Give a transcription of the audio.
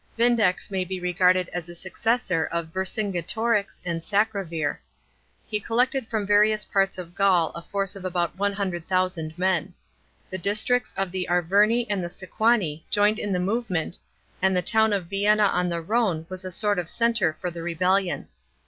Vindex may be regarded as a successor of Vercingetorix and Sacrovir. He collected from various parts of Gaul a force of about 100,000 men. The districts of the Arverni and the Sequani joined in the move ment, and the town of Vienna on the Rhone was a sort of centre for the rebellion.